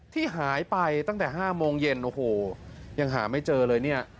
ที่หายไปตั้งแต่๕โมงเย็นโอ้โหยังหาไม่เจอเลยเนี่ย